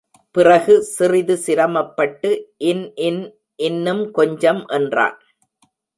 பிறகு சிறிது சிரமப்பட்டு இன் இன் இன்னும் கொஞ்சம்! என்றான்.